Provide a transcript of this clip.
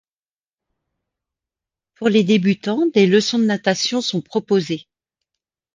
Pour les débutants, des leçons de natation sont proposées.